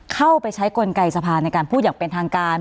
เข้าไปใช้กลไกสภาในการพูดอย่างเป็นทางการ